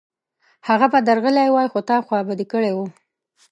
هغه به درغلی وای، خو تا خوابدی کړی و